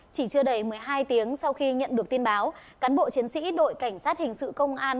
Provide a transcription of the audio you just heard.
chỉ chưa đầy một mươi hai tiếng sau khi nhận được tin báo cán bộ chiến sĩ đội cảnh sát hình sự công an